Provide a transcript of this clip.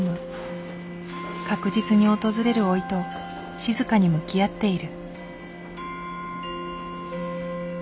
確実に訪れる老いと静かに向き合っている。